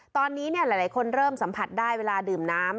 ตอนนี้หลายคนเริ่มสัมผัสได้เวลาดื่มน้ำ